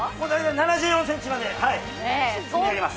７４ｃｍまで積み上げます。